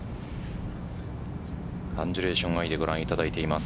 アンジュレーション・アイでご覧いただいています。